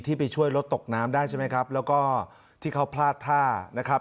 ไปช่วยรถตกน้ำได้ใช่ไหมครับแล้วก็ที่เขาพลาดท่านะครับ